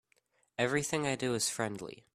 Everything I do is friendly.